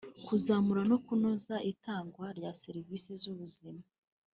kuzamura no kunoza itangwa rya serivisi z’ubuzima